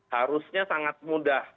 harusnya sangat mudah